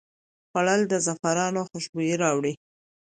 خوړل د زعفران خوشبويي راوړي